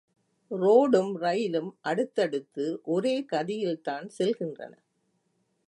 ரோடும் ரயிலும் அடுத்தடுத்து ஒரே கதியில்தான் செல்கின்றன.